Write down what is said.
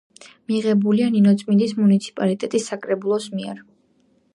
მიღებულია ნინოწმინდის მუნიციპალიტეტის საკრებულოს მიერ.